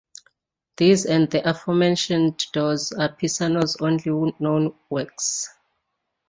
These and the aforementioned doors are Pisano's only known works.